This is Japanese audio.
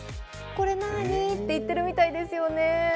これ何？って言ってるみたいですよね。